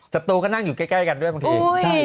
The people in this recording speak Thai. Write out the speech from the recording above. ตูก็นั่งอยู่ใกล้กันด้วยบางที